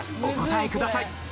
お答えください。